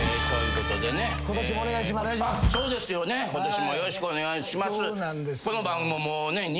そうですよね。